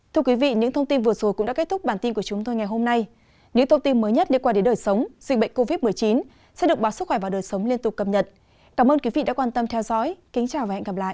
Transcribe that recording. thưa quý vị những thông tin vừa rồi cũng đã kết thúc bản tin của chúng tôi ngày hôm nay những thông tin mới nhất liên quan đến đời sống dịch bệnh covid một mươi chín sẽ được báo sức khỏe và đời sống liên tục cập nhật cảm ơn quý vị đã quan tâm theo dõi kính chào và hẹn gặp lại